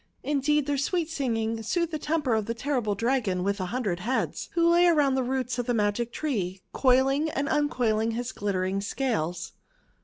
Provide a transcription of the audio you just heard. Indeed their sweet singing soothed the temper of the terrible Dragon with a hundred heads, who lay around the roots of the magic tree, coiling and uncoiling his glittering scales.